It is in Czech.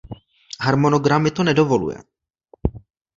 Harmonogram mi to nedovoluje.